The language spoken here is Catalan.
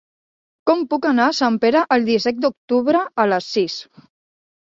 Com puc anar a Sempere el disset d'octubre a les sis?